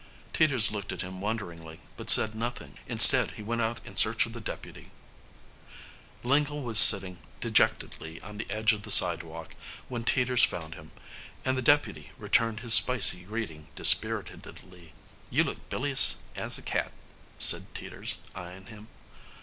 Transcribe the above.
Teeters looked at him wonderingly but said nothing; instead, he went out in search of the deputy. Lingle was sitting dejectedly on the edge of the sidewalk when Teeters found him, and the deputy returned his spicy greeting dispiritedly. "You look bilious as a cat," said Teeters, eying him.